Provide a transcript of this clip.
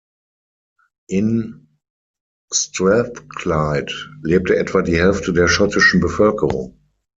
In Strathclyde lebte etwa die Hälfte der schottischen Bevölkerung.